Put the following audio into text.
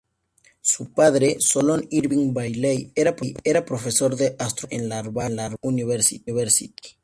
Su padre, Solon Irving Bailey era profesor de astronomía en la Harvard University.